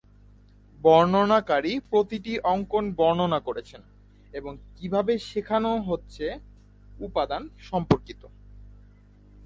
বর্ণনাকারী প্রতিটি অঙ্কন বর্ণনা করেছেন এবং কিভাবে শেখানো হচ্ছে উপাদান সম্পর্কিত।